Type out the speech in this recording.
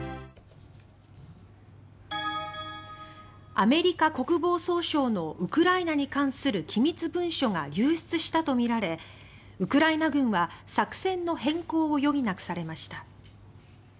アメリカ国防総省のウクライナに関する機密文書が流出したとみられウクライナ軍は作戦の変更を余儀なくされました。